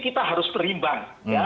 kita harus berimbang